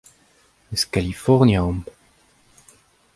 Eus Kalifornia omp.